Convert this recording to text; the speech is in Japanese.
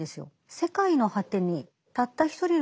世界の果てにたった一人の